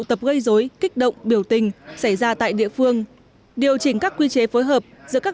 tập gây dối kích động biểu tình xảy ra tại địa phương điều chỉnh các quy chế phối hợp giữa các